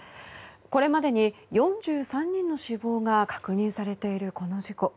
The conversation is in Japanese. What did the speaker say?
これまでに４３人の死亡が確認されている、この事故。